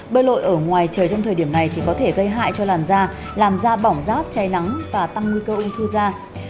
bơi lội ở ngoài trời trong thời điểm này thì có thể gây hại cho làn da làm da bỏng rát che nắng và tăng nguy cơ ung thư da